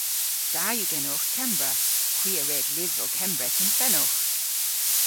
Da yw genowgh Kembra. Hwi a red lyvrow Kembrek yn fenowgh.